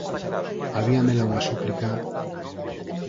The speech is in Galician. Había nela unha súplica…